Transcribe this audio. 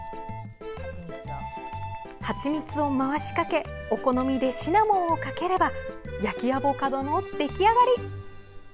はちみつを回しかけお好みでシナモンをかければ焼きアボカドの出来上がり。